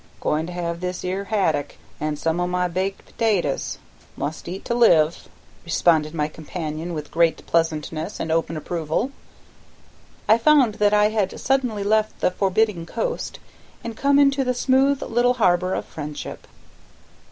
"Goin' to have this 'ere haddock an' some o' my good baked potatoes; must eat to live," responded my companion with great pleasantness and open approval. I found that I had suddenly left the forbidding coast and come into the smooth little harbor of friendship.